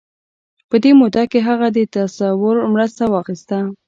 په دې موده کې هغه د تصور مرسته واخيسته.